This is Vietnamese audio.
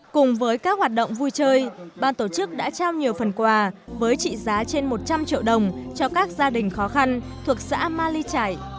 cùng với các hoạt động vui chơi ban tổ chức đã trao nhiều phần quà với trị giá trên một trăm linh triệu đồng cho các gia đình khó khăn thuộc xã mali trải